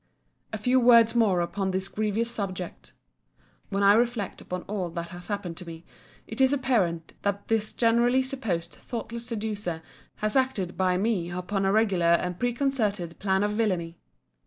A few words more upon this grievous subject— When I reflect upon all that has happened to me, it is apparent, that this generally supposed thoughtless seducer has acted by me upon a regular and preconcerted plan of villany.